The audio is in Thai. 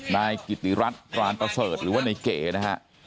นายกิติรัฐปรานประเสริฐหรือว่าในเก๋นะฮะ